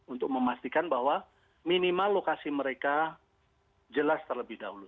untuk memastikan bahwa minimal lokasi mereka jelas terlebih dahulu